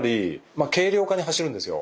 まあ軽量化に走るんですよ。